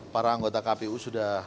para anggota kpu sudah